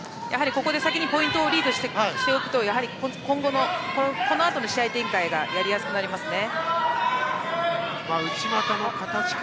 ここで先にポイントをリードしておくとこのあとの試合展開もやりやすくなりますね。